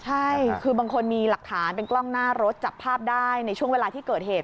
ใช่คือบางคนมีหลักฐานเป็นกล้องหน้ารถจับภาพได้ในช่วงเวลาที่เกิดเหตุ